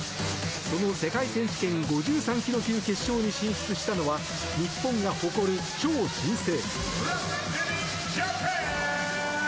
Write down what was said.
その世界選手権５３ｋｇ級決勝に進出したのは日本が誇る超新星。